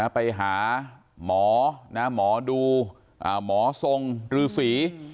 ไปหาหมอหมอดูหมอทรงรือศรี